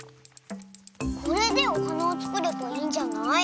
これでおはなをつくればいいんじゃない？